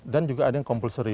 dan juga ada yang compulsory